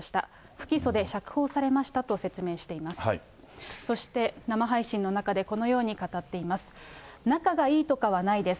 不起訴で釈放されましたと説明しています。